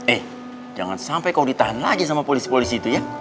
eh jangan sampai kau ditahan lagi sama polisi polisi itu ya